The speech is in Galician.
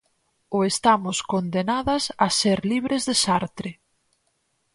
O estamos condenadas a ser libres de Sartre.